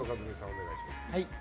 お願いします。